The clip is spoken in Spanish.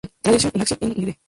Tradition in Action, Inc., n.d.